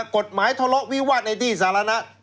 กฎหมายทะเลาะวิวัตในที่สาธารณะ